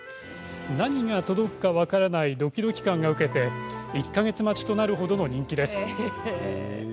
何が届くか分からないドキドキ感が受けて１か月待ちとなるほどの人気です。